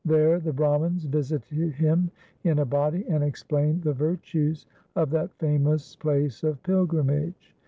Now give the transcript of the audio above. There the Brahmans visited him in a body, and explained the virtues of that famous place of pilgrimage.